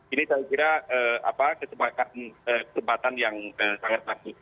ini saya kira kesempatan yang sangat bagus